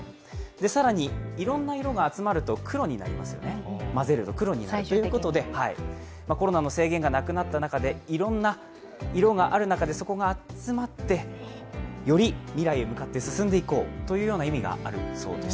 更に、いろんな色が集まると混ぜると黒になりますよね。ということでコロナの制限がなくなった中でいろんな色がある中で、そこが集まって、より未来へ向かって進んでいこうという意味があるそうです。